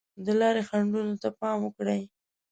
د لارې خنډونو ته پام وکړئ.